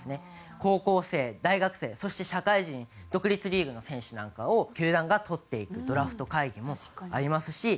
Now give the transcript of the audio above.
高校生大学生そして社会人独立リーグの選手なんかを球団がとっていくドラフト会議もありますし。